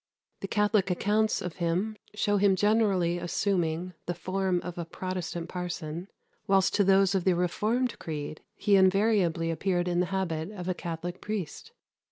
The Catholic accounts of him show him generally assuming the form of a Protestant parson; whilst to those of the reformed creed he invariably appeared in the habit of a Catholic priest.